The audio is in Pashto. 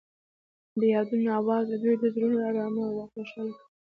د یادونه اواز د دوی زړونه ارامه او خوښ کړل.